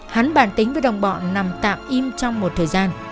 hắn bàn tính với đồng bọn nằm tạm im trong một thời gian